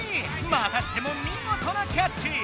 またしてもみごとなキャッチ！